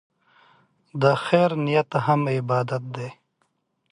د خیر نیت هم عبادت دی.